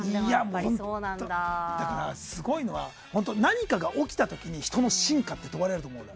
だから、すごいのは何かが起きた時に人の真価って問われると思うの。